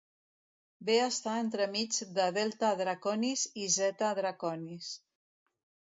Ve a estar entremig de Delta Draconis i Zeta Draconis.